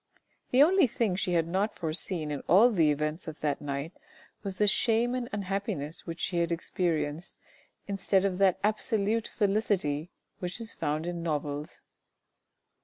The only thing she had not foreseen in all the events of that night, was the shame and unhappiness which she had experienced instead of that absolute felicity which is found in novels.